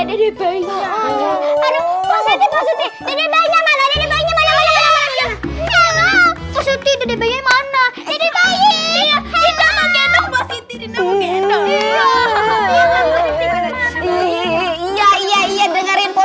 jadi penjahatnya nggak bisa gerak